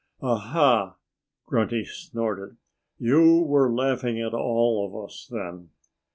"Aha!" Grunty snorted. "You were laughing at all of us, then."